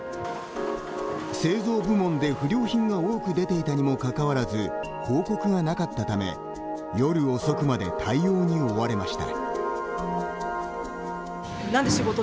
製造部門で不良品が多く出ていたにも関わらず報告がなかったため夜遅くまで対応に追われました。